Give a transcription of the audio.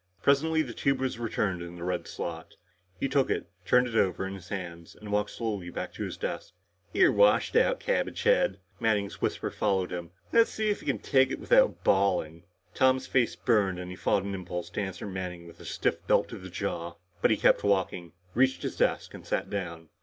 Presently, the tube was returned in the red slot. He took it, turned it over in his hands and walked slowly back to his desk. "You're washed out, cabbagehead!" Manning's whisper followed him. "Let's see if you can take it without bawling!" Tom's face burned and he fought an impulse to answer Manning with a stiff belt in the jaw. But he kept walking, reached his desk and sat down.